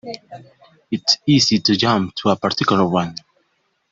It's easy to jump to a particular one.